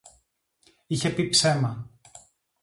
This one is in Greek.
Είχε πει ψέμα